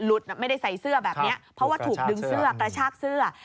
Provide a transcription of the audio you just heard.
ไม่ได้ใส่เสื้อแบบนี้เพราะว่าถูกดึงเสื้อกระชากเสื้อ